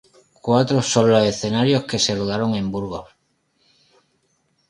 Cuatro son los escenarios que se rodaron en Burgos.